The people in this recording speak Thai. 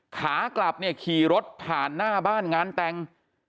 ขากลับเนี่ยขี่รถผ่านหน้าบ้านงานแต่ง